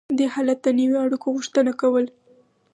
دې حالت د نویو اړیکو غوښتنه کوله.